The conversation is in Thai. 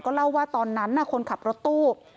เล่าว่าตอนนั้นคนขับรถตู้